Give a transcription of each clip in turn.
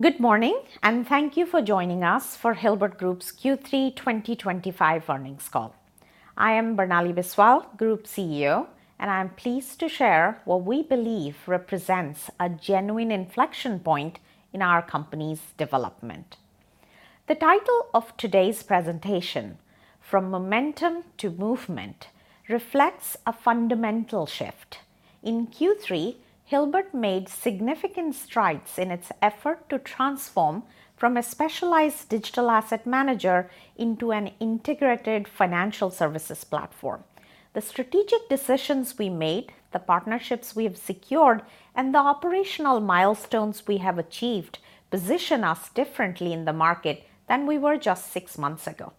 Good morning, and thank you for joining us for Hilbert Group's Q3 2025 earnings call. I am Barnali Biswal, Group CEO, and I'm pleased to share what we believe represents a genuine inflection point in our company's development. The title of today's presentation, "From Momentum to Movement," reflects a fundamental shift. In Q3, Hilbert made significant strides in its effort to transform from a specialized digital asset manager into an integrated financial services platform. The strategic decisions we made, the partnerships we have secured, and the operational milestones we have achieved position us differently in the market than we were just six months ago.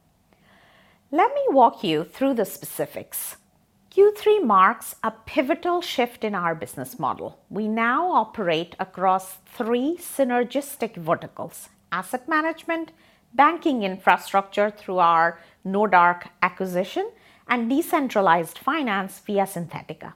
Let me walk you through the specifics. Q3 marks a pivotal shift in our business model. We now operate across three synergistic verticals: asset management, banking infrastructure through our Nordark acquisition, and decentralized finance via Syntetika.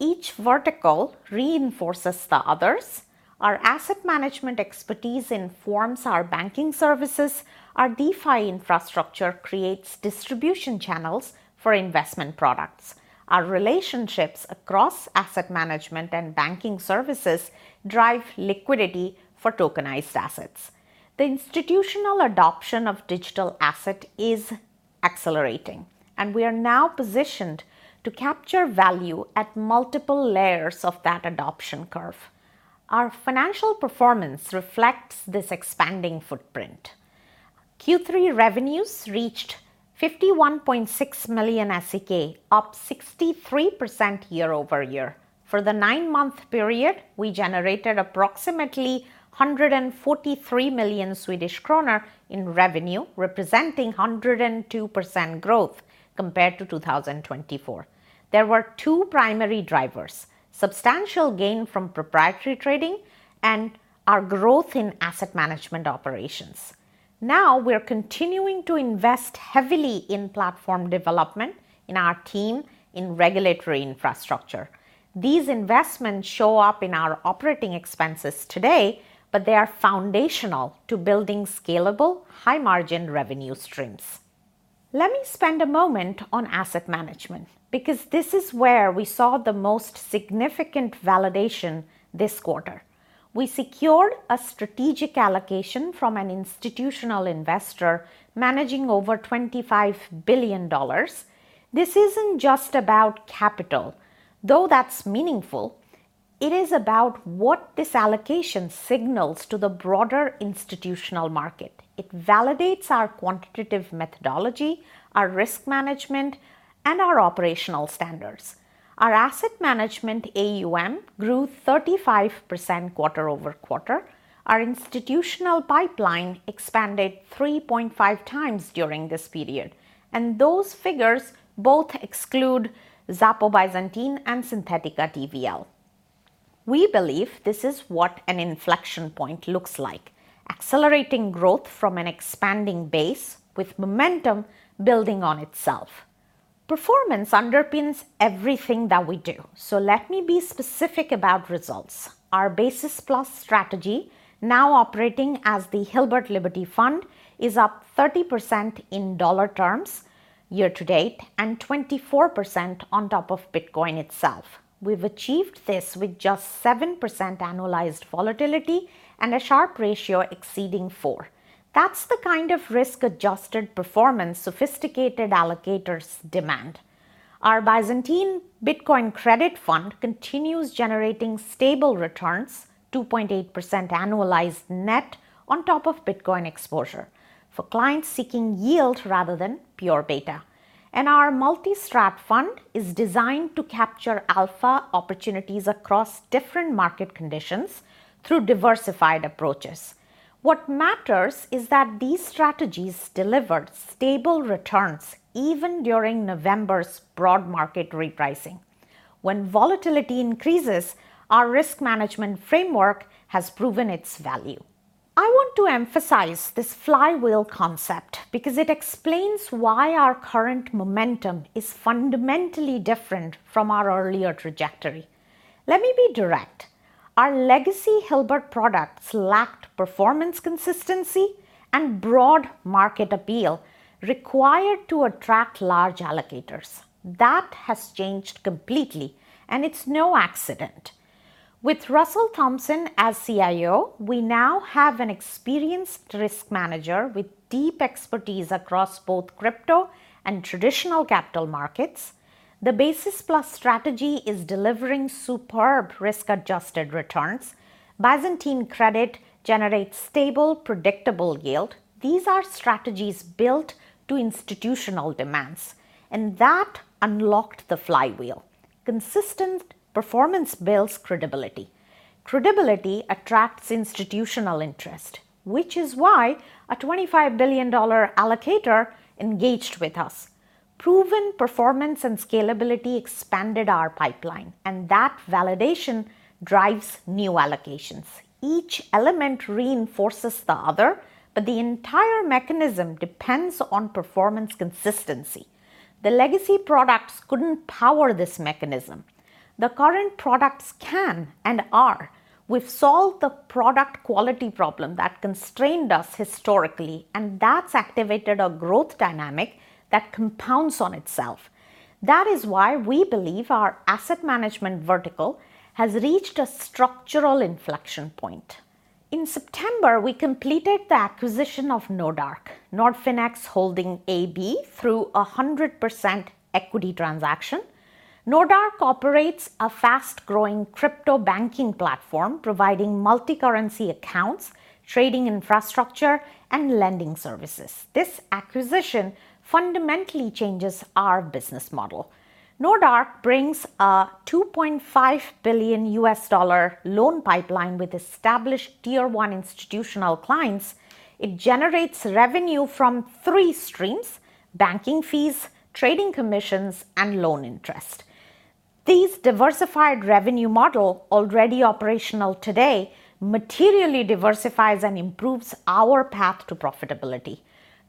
Each vertical reinforces the others. Our asset management expertise informs our banking services. Our DeFi infrastructure creates distribution channels for investment products. Our relationships across asset management and banking services drive liquidity for tokenized assets. The institutional adoption of digital asset is accelerating, and we are now positioned to capture value at multiple layers of that adoption curve. Our financial performance reflects this expanding footprint. Q3 revenues reached SEK 51.6 million, up 63% year-over-year. For the nine-month period, we generated approximately 143 million Swedish kronor in revenue, representing 102% growth compared to 2024. There were two primary drivers: substantial gain from proprietary trading and our growth in asset management operations. Now we're continuing to invest heavily in platform development in our team in regulatory infrastructure. These investments show up in our operating expenses today, but they are foundational to building scalable, high-margin revenue streams. Let me spend a moment on asset management, because this is where we saw the most significant validation this quarter. We secured a strategic allocation from an institutional investor managing over $25 billion. This is not just about capital. Though that is meaningful, it is about what this allocation signals to the broader institutional market. It validates our quantitative methodology, our risk management, and our operational standards. Our asset management AUM grew 35% quarter over quarter. Our institutional pipeline expanded 3.5 times during this period, and those figures both exclude Byzantine and Syntetika TVL. We believe this is what an inflection point looks like: accelerating growth from an expanding base with momentum building on itself. Performance underpins everything that we do, so let me be specific about results. Our basis plus strategy, now operating as the Hilbert Liberty Fund, is up 30% in dollar terms year to date and 24% on top of Bitcoin itself. We've achieved this with just 7% annualized volatility and a Sharpe ratio exceeding four. That's the kind of risk-adjusted performance sophisticated allocators demand. Our Byzantine Bitcoin Credit Fund continues generating stable returns, 2.8% annualized net on top of Bitcoin exposure for clients seeking yield rather than pure beta. Our multi-strat fund is designed to capture alpha opportunities across different market conditions through diversified approaches. What matters is that these strategies delivered stable returns even during November's broad market repricing. When volatility increases, our risk management framework has proven its value. I want to emphasize this flywheel concept because it explains why our current momentum is fundamentally different from our earlier trajectory. Let me be direct. Our legacy Hilbert products lacked performance consistency and broad market appeal required to attract large allocators. That has changed completely, and it's no accident. With Russell Thompson as CIO, we now have an experienced risk manager with deep expertise across both crypto and traditional capital markets. The basis plus strategy is delivering superb risk-adjusted returns. Byzantine Credit generates stable, predictable yield. These are strategies built to institutional demands, and that unlocked the flywheel. Consistent performance builds credibility. Credibility attracts institutional interest, which is why a $25 billion allocator engaged with us. Proven performance and scalability expanded our pipeline, and that validation drives new allocations. Each element reinforces the other, but the entire mechanism depends on performance consistency. The legacy products couldn't power this mechanism. The current products can and are. We've solved the product quality problem that constrained us historically, and that's activated a growth dynamic that compounds on itself. That is why we believe our asset management vertical has reached a structural inflection point. In September, we completed the acquisition of Nordark, Nordfinex Holding AB through a 100% equity transaction. Nordark operates a fast-growing crypto banking platform providing multi-currency accounts, trading infrastructure, and lending services. This acquisition fundamentally changes our business model. Nordark brings a $2.5 billion US dollar loan pipeline with established tier one institutional clients. It generates revenue from three streams: banking fees, trading commissions, and loan interest. This diversified revenue model, already operational today, materially diversifies and improves our path to profitability.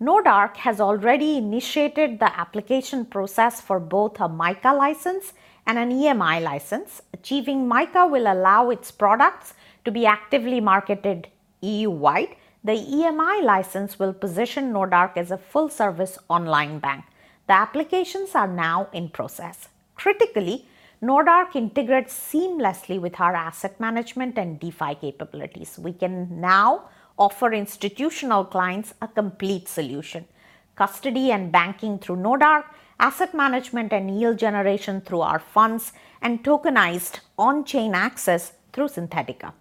Nordark has already initiated the application process for both a MiCA license and an EMI license. Achieving MiCA will allow its products to be actively marketed EU-wide. The EMI license will position Nordark as a full-service online bank. The applications are now in process. Critically, Nordark integrates seamlessly with our asset management and DeFi capabilities. We can now offer institutional clients a complete solution: custody and banking through Nordark, asset management and yield generation through our funds, and tokenized on-chain access through Syntetika.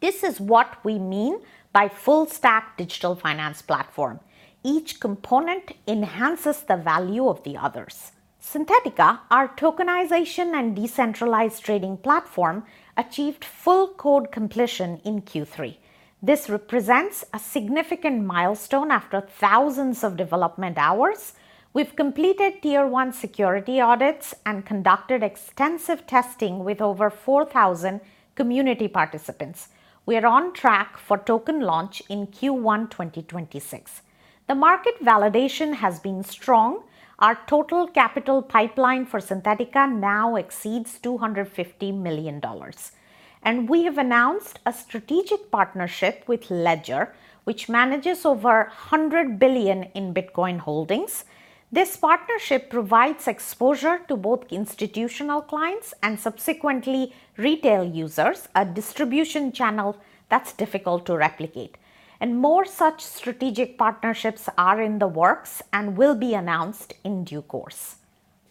This is what we mean by full-stack digital finance platform. Each component enhances the value of the others. Syntetika, our tokenization and decentralized trading platform, achieved full code completion in Q3. This represents a significant milestone after thousands of development hours. We have completed tier one security audits and conducted extensive testing with over 4,000 community participants. We are on track for token launch in Q1 2026. The market validation has been strong. Our total capital pipeline for Syntetika now exceeds $250 million. We have announced a strategic partnership with Ledger, which manages over $100 billion in Bitcoin holdings. This partnership provides exposure to both institutional clients and subsequently retail users, a distribution channel that's difficult to replicate. More such strategic partnerships are in the works and will be announced in due course.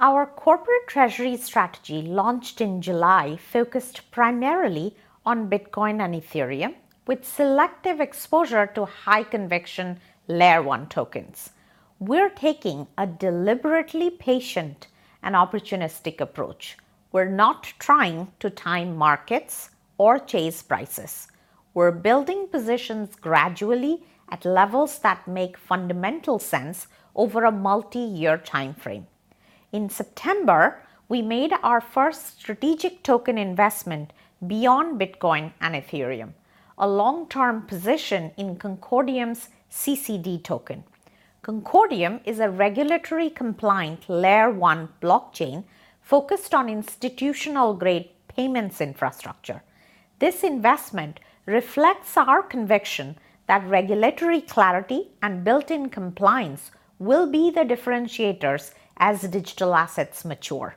Our corporate treasury strategy launched in July focused primarily on Bitcoin and Ethereum, with selective exposure to high-conviction layer one tokens. We're taking a deliberately patient and opportunistic approach. We're not trying to time markets or chase prices. We're building positions gradually at levels that make fundamental sense over a multi-year timeframe. In September, we made our first strategic token investment beyond Bitcoin and Ethereum, a long-term position in Concordium's CCD token. Concordium is a regulatory-compliant layer one blockchain focused on institutional-grade payments infrastructure. This investment reflects our conviction that regulatory clarity and built-in compliance will be the differentiators as digital assets mature.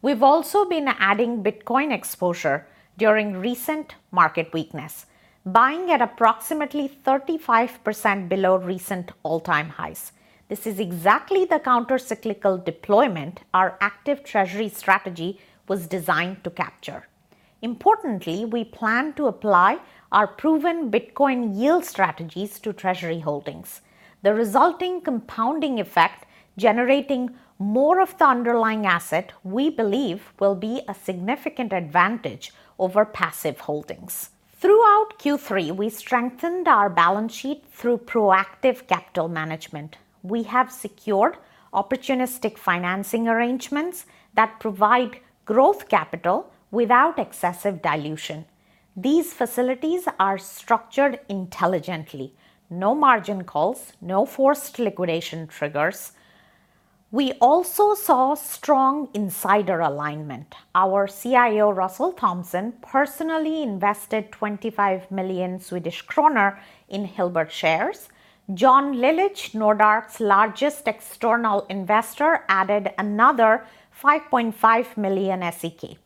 We've also been adding Bitcoin exposure during recent market weakness, buying at approximately 35% below recent all-time highs. This is exactly the countercyclical deployment our active treasury strategy was designed to capture. Importantly, we plan to apply our proven Bitcoin yield strategies to treasury holdings. The resulting compounding effect, generating more of the underlying asset, we believe will be a significant advantage over passive holdings. Throughout Q3, we strengthened our balance sheet through proactive capital management. We have secured opportunistic financing arrangements that provide growth capital without excessive dilution. These facilities are structured intelligently. No margin calls, no forced liquidation triggers. We also saw strong insider alignment. Our CIO, Russell Thompson, personally invested 25 million Swedish kronor in Hilbert shares. John Lilic, Nordark's largest external investor, added another 5.5 million SEK.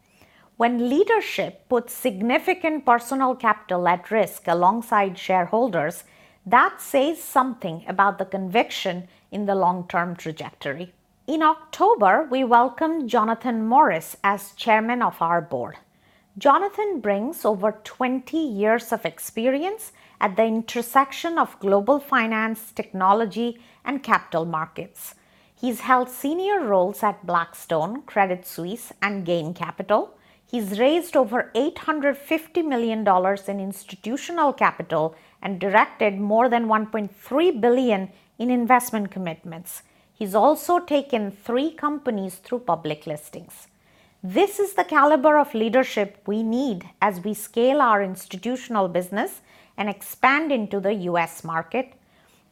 When leadership puts significant personal capital at risk alongside shareholders, that says something about the conviction in the long-term trajectory. In October, we welcomed Jonathan Morris as Chairman of our board. Jonathan brings over 20 years of experience at the intersection of global finance, technology, and capital markets. He's held senior roles at Blackstone, Credit Suisse, and GAIN Capital. He's raised over $850 million in institutional capital and directed more than $1.3 billion in investment commitments. He's also taken three companies through public listings. This is the caliber of leadership we need as we scale our institutional business and expand into the US market.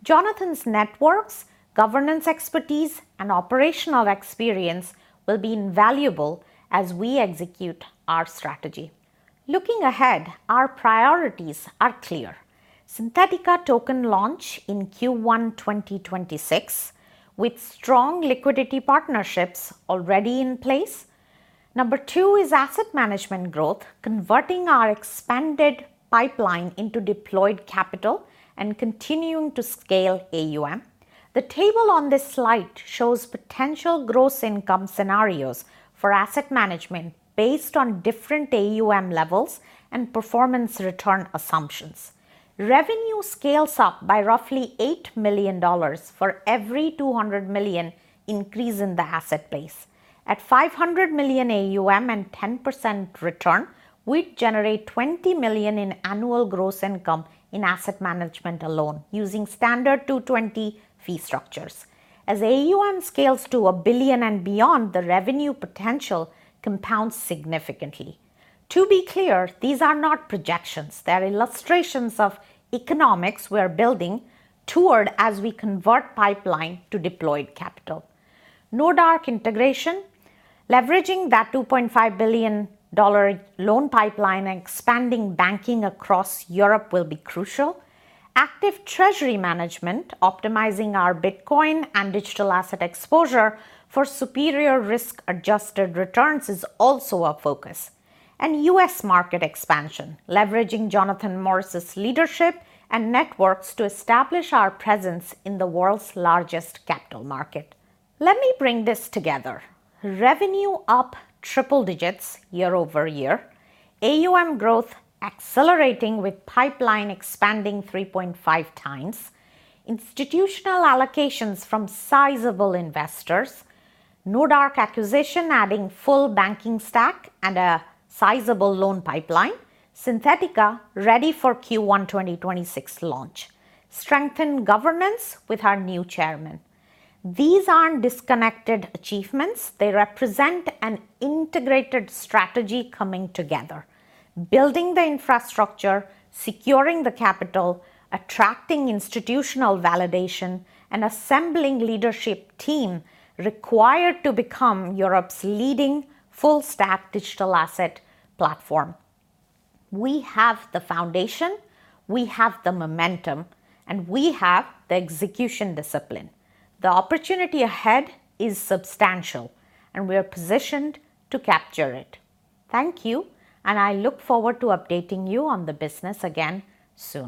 Jonathan's networks, governance expertise, and operational experience will be invaluable as we execute our strategy. Looking ahead, our priorities are clear. Syntetika token launch in Q1 2026, with strong liquidity partnerships already in place. Number two is asset management growth, converting our expanded pipeline into deployed capital and continuing to scale AUM. The table on this slide shows potential gross income scenarios for asset management based on different AUM levels and performance return assumptions. Revenue scales up by roughly $8 million for every $200 million increase in the asset base. At $500 million AUM and 10% return, we'd generate $20 million in annual gross income in asset management alone, using standard 220 fee structures. As AUM scales to a billion and beyond, the revenue potential compounds significantly. To be clear, these are not projections. They're illustrations of economics we're building toward as we convert pipeline to deployed capital. Nordark integration, leveraging that $2.5 billion loan pipeline and expanding banking across Europe will be crucial. Active treasury management, optimizing our Bitcoin and digital asset exposure for superior risk-adjusted returns, is also a focus. U.S. market expansion, leveraging Jonathan Morris's leadership and networks to establish our presence in the world's largest capital market. Let me bring this together. Revenue up triple digits year-over-year. AUM growth accelerating with pipeline expanding 3.5 times. Institutional allocations from sizable investors. Nordark acquisition adding full banking stack and a sizable loan pipeline. Syntetika ready for Q1 2026 launch. Strengthen governance with our new Chairman. These are not disconnected achievements. They represent an integrated strategy coming together. Building the infrastructure, securing the capital, attracting institutional validation, and assembling leadership team required to become Europe's leading full-stack digital asset platform. We have the foundation, we have the momentum, and we have the execution discipline. The opportunity ahead is substantial, and we are positioned to capture it. Thank you, and I look forward to updating you on the business again soon.